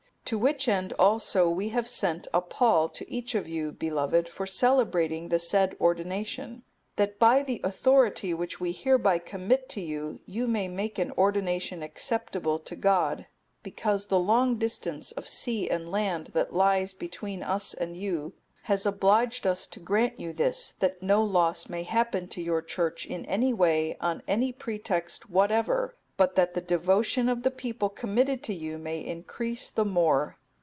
To which end also we have sent a pall to each of you, beloved, for celebrating the said ordination; that by the authority which we hereby commit to you, you may make an ordination acceptable to God; because the long distance of sea and land that lies between us and you, has obliged us to grant you this, that no loss may happen to your Church in any way, on any pretext whatever, but that the devotion of the people committed to you may increase the more.